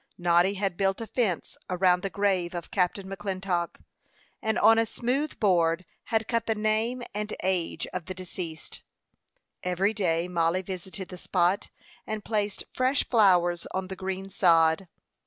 Noddy had built a fence around the grave of Captain McClintock, and on a smooth board had cut the name and age of the deceased. Every day Mollie visited the spot, and placed fresh flowers on the green sod.